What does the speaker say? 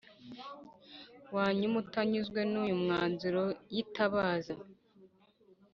Wanyuma utanyuzwe n uyu mwanzuro yitabaza